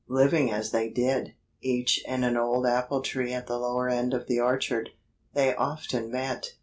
Living as they did, each in an old apple tree at the lower end of the orchard, they often met.